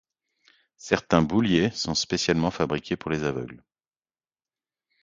Certains bouliers sont fabriqués spécialement pour les aveugles.